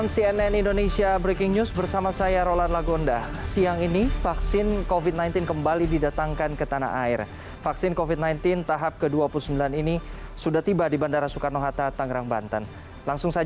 cnn indonesia breaking news